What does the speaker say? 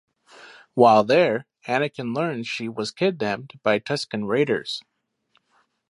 While there, Anakin learns she was kidnapped by Tusken Raiders.